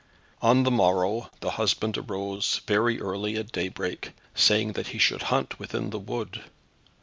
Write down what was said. On the morrow the husband arose very early, at daybreak, saying that he should hunt within the wood.